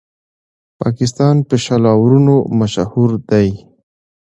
پاکستان په شلو اورونو مشهور دئ.